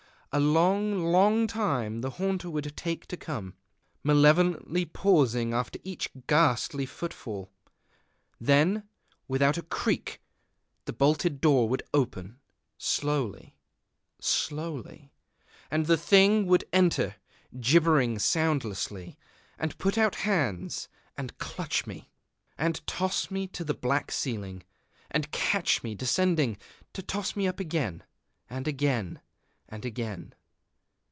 A long, long time the haunter would take to come, malevolently pausing after each ghastly footfall. Then, without a creak, the bolted door would open, slowly, slowly, and the thing would enter, gibbering soundlessly, and put out hands, and clutch me, and toss me to the black ceiling, and catch me descending to toss me up again, and again, and again....